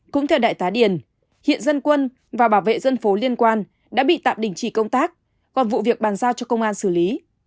cũng theo đại tá điền hiện dân quân và bảo vệ dân phố liên quan đã bị tạm đình chỉ công tác còn vụ việc bàn giao cho công an xử lý